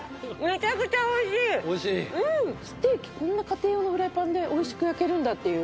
ステーキこんな家庭用のフライパンで美味しく焼けるんだっていう。